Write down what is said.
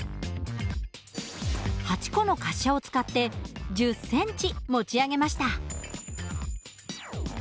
８個の滑車を使って１０センチ持ち上げました。